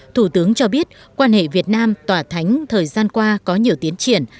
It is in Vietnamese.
thủ tướng cho biết quan hệ việt nam tòa thánh thời gian qua có nhiều tiến triển